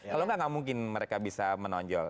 kalau nggak nggak mungkin mereka bisa menonjol